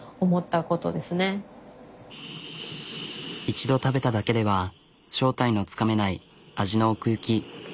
一度食べただけでは正体のつかめない味の奥行き。